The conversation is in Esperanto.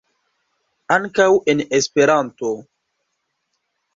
Ankaŭ en Esperanto.